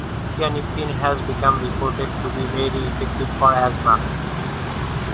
Tianeptine has been reported to be very effective for asthma.